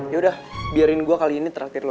yaudah biarin gue kali ini terakhir lo